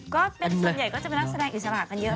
ก็เป็นส่วนใหญ่ก็จะมีนักแสดงใส่นาฬิสาหกันเยอะ